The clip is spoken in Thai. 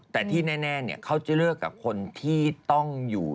แต่ที่แน่เขาจะเลิกกับคนที่ต้องอยู่